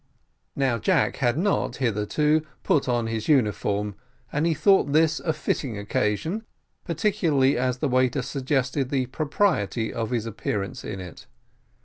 Now Jack had not, hitherto, put on his uniform, and he thought this a fitting occasion, particularly as the waiter suggested the propriety of his appearance in it.